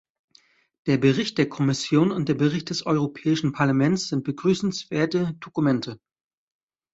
Der Bericht der Kommission und der Bericht des Europäischen Parlaments sind begrüßenswerte Dokumente.